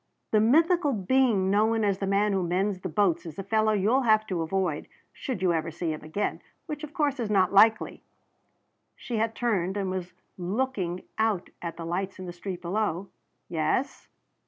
The mythical being known as the man who mends the boats is a fellow you'll have to avoid, should you ever see him again which of course is not likely." She had turned and was looking out at the lights in the street below. "Yes?"